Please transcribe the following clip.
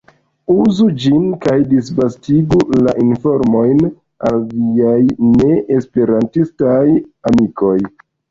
Uzu ĝin kaj disvastigu la informojn al viaj ne-esperantistaj amikoj.